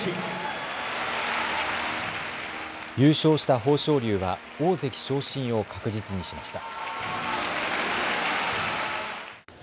優勝した豊昇龍は大関昇進を確実にしました。